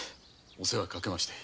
お世話かけまして。